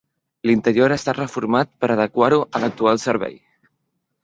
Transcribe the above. L'interior ha estat reformat per adequar-ho a l'actual servei.